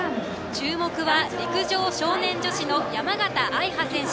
注目は陸上少年女子の山形愛羽選手。